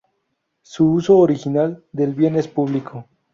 Su uso original del bien es público.